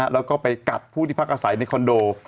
แล้วก็ไปกัดผู้ที่พักอาศัยในคอนโด